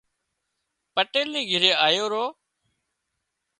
پٽيل نِي گھري آيو رو